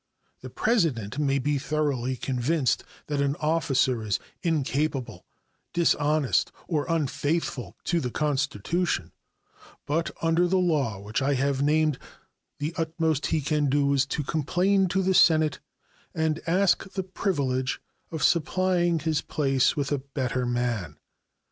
The President may be thoroughly convinced that an officer is incapable, dishonest, or unfaithful to the Constitution, but under the law which I have named the utmost he can do is to complain to the Senate and ask the privilege of supplying his place with a better man.